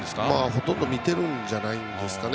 ほとんど見てるんじゃないですかね。